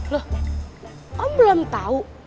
loh om belum tau